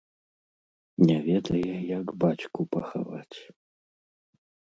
Не ведае, як бацьку пахаваць.